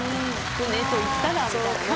船といったらみたいな。